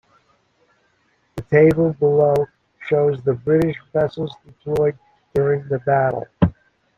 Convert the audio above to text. The table below shows the British vessels deployed during the battle.